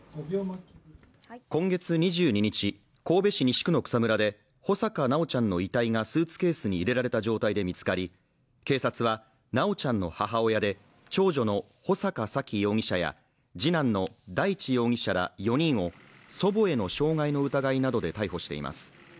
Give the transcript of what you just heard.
今月２２日、神戸市西区の草むらで穂坂修ちゃんの遺体がスーツケースに入れられた状態で見つかり、警察は、修ちゃんの母親で長女の穂坂沙喜容疑者や次男の大地容疑者ら４人を祖母への傷害の疑いなどで逮捕しています。